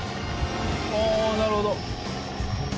「ああなるほど」